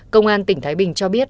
công an tỉnh thái bình cho biết